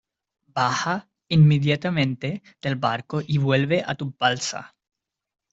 baja inmediatamente del barco y vuelve a tu balsa.